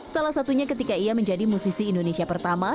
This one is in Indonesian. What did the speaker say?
salah satunya ketika ia menjadi musisi indonesia pertama